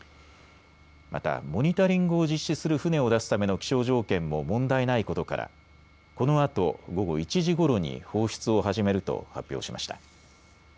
またモニタリングを実施する船を出すための気象条件も問題ないことからこのあと午後１時ごろに放出を始めると発表しました。